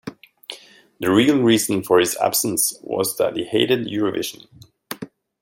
The real reason for his absence was that he hated Eurovision.